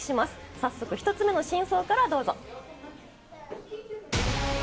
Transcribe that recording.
早速、１つ目の真相からどうぞ。